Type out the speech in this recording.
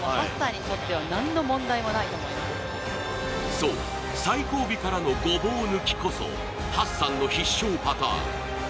そう、最後尾からのごぼう抜きこそハッサンの必勝パターン。